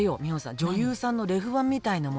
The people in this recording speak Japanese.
女優さんのレフ板みたいなものよ。